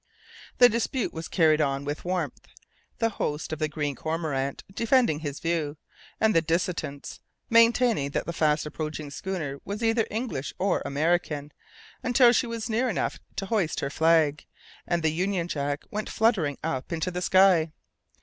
The dispute was carried on with warmth, the host of the Green Cormorant defending his view, and the dissentients maintaining that the fast approaching schooner was either English or American, until she was near enough to hoist her flag and the Union Jack went fluttering up into the sky.